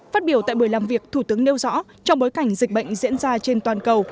phát biểu tại buổi làm việc thủ tướng nêu rõ trong bối cảnh dịch bệnh diễn ra trên toàn cầu